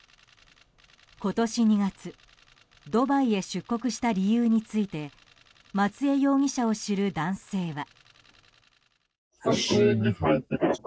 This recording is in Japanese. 今年２月ドバイへ出国した理由について松江容疑者を知る男性は。